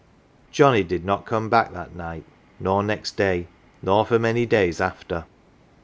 Johnnie did not come back that night, nor next day, nor for many days after.